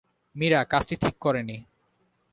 মীরা কাজটি ঠিক করে নি।